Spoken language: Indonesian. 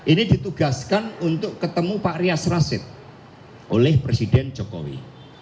ini ditugaskan untuk ketemu pak rias rasid oleh presiden jokowi